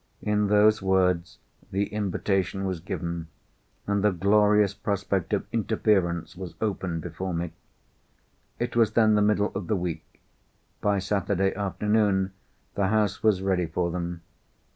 In those words the invitation was given, and the glorious prospect of interference was opened before me. It was then the middle of the week. By Saturday afternoon the house was ready for them.